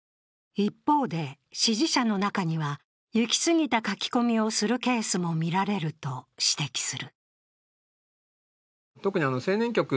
一方で支持者の中には、いき過ぎた書き込みをするケースも見られると指摘する。